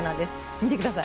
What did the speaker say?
見てください